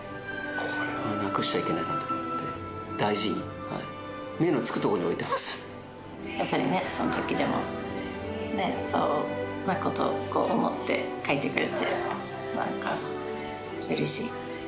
これはなくしちゃいけないなと思って、大事に、そのときでも、そんなことを思って書いてくれて、なんかうれしい。